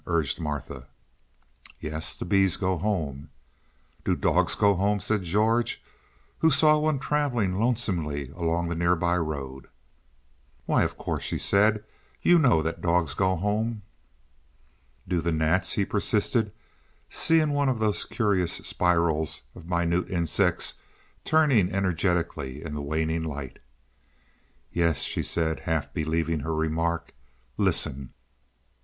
urged Martha. "Yes, the bees go home." "Do the dogs go home?" said George, who saw one traveling lonesomely along the nearby road. "Why, of course," she said, "you know that dogs go home." "Do the gnats?" he persisted, seeing one of those curious spirals of minute insects turning energetically in the waning light. "Yes," she said, half believing her remark. "Listen!"